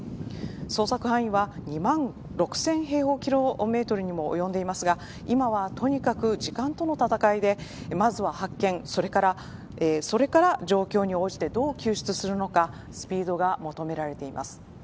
捜索範囲は２万６０００平方キロメートルに及んでいますが今はとにかく時間との闘いでまずは発見、それから状況に応じて、どう救出するのかスピードが求められています。